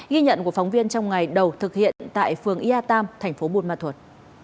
ghi nhận của phóng viên trong ngày đầu thực hiện tại phường ia tam thành phố bôn ma thuật